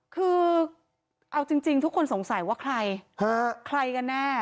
คือเอาจริงทุกคนสงสัยว่าใครใครกันแน่